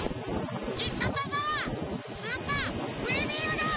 ひっさつわざはスーパーふえビームだ！